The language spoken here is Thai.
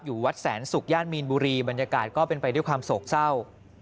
วัดแสนศุกร์ย่านมีนบุรีบรรยากาศก็เป็นไปด้วยความโศกเศร้า